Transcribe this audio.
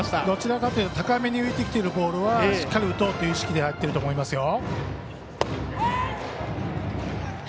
どちらかというと高めに浮いてきているボールはしっかり打とうという意識で入っていると思いますよ。